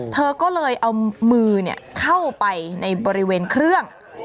เธอก็เลยเอามือเข้าไปในบริเวณเครื่อง